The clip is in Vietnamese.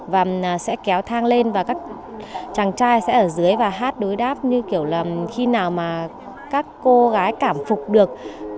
và sẽ kéo thang lên và các chàng trai sẽ ở dưới và hát đối đáp như kiểu là khi nào mà các cô gái cảm phục được